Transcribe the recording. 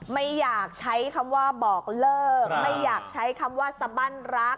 ไม่อยากใช้คำว่าบอกเลิกไม่อยากใช้คำว่าสบั้นรัก